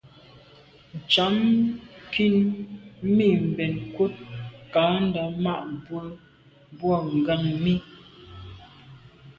Ntsham nkin mi mbèn nkut kandà ma’ bwe boa ngàm mi.